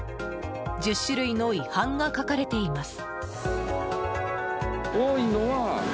１０種類の違反が書かれています。